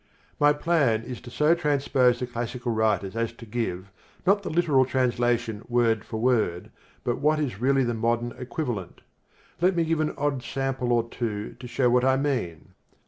My plan is to so transpose the classical writers as to give, not the literal translation word for word, but what is really the modern equivalent. Let me give an odd sample or two to show what I mean.